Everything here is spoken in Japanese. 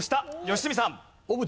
良純さん。